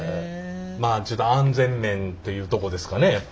まあちょっと安全面というとこですかねやっぱり。